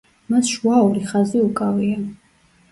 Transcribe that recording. მას შუა ორი ხაზი უკავია.